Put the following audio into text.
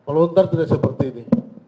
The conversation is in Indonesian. melontar tidak seperti ini